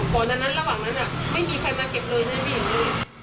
ก่อนทั้งนั้นระหว่างนั้นไม่มีใครมาเก็บเลยไม่มีใคร